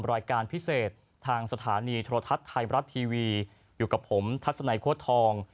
รายการพิเศษทางสถานีโทรทัศน์ไทยบรัฐทีวีอยู่กับผมทัศนัยโค้ดทอง